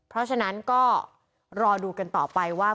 เพราะฉะนั้นก็รอดูกันต่อไปว่า